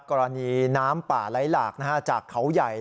กรณีน้ำป่าไหลหลากจากเขาใหญ่